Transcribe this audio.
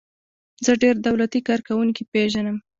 زه ډیر دولتی کارکوونکي پیژنم.